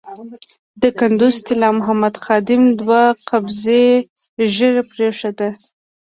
د کندز طلا محمد خادم دوه قبضې ږیره پرېښوده.